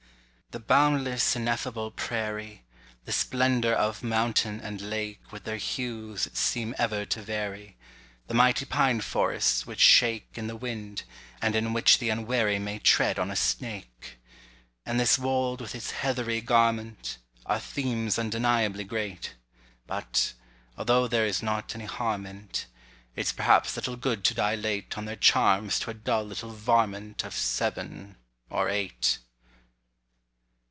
The boundless ineffable prairie; The splendour of mountain and lake With their hues that seem ever to vary; The mighty pine forests which shake In the wind, and in which the unwary May tread on a snake; And this wold with its heathery garment— Are themes undeniably great. But—although there is not any harm in't— It's perhaps little good to dilate On their charms to a dull little varmint Of seven or eight.